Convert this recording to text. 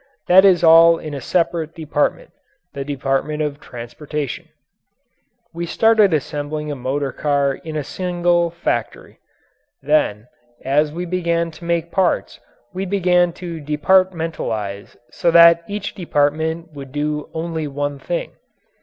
That is all in a separate department the department of transportation. We started assembling a motor car in a single factory. Then as we began to make parts, we began to departmentalize so that each department would do only one thing.